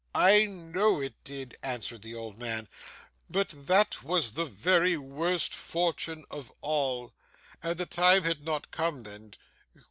'I know it did,' answered the old man, 'but that was the very worst fortune of all, and the time had not come then.